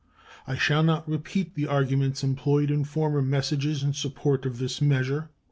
I shall not repeat the arguments employed in former messages in support of this measure.